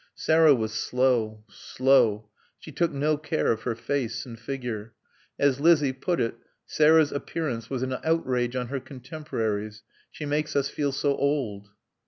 Sarah was slow; slow. She took no care of her face and figure. As Lizzie put it, Sarah's appearance was an outrage on her contemporaries. "She makes us feel so old."